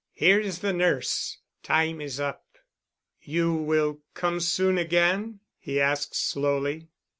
Here is the nurse. Time is up." "You will come soon again?" he asked slowly.